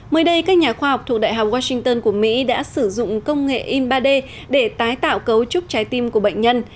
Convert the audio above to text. mới đây các nhà khoa học thuộc đại học washington của mỹ đã sử dụng công nghệ in ba d để tái tạo cấu trúc trái tim của bệnh nhân